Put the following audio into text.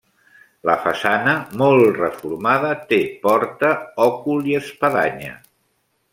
La façana, molt reformada, té porta, òcul i espadanya.